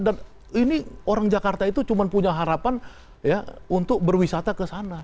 dan ini orang jakarta itu cuma punya harapan untuk berwisata ke sana